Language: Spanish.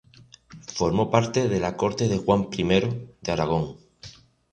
Formó parte de la corte de Juan I de Aragón.